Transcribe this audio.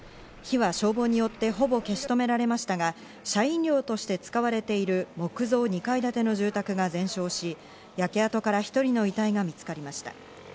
火は消防によってほぼ消し止められましたが、社員寮として使われている木造２階建ての住宅が全焼し、焼け跡から１人の遺体が見つかりました。